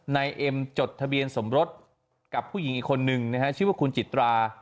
นายเอ็มจดทะเบียนสมรสกับผู้หญิงอีกคนนึงนะฮะชื่อว่าคุณจิตรา